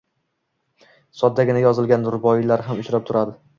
soddagina yozilgan ruboiylar ham uchrab turadi.